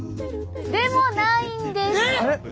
でもないんです！えっ！？